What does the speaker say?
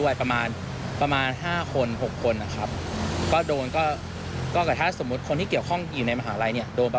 อย่างอะไร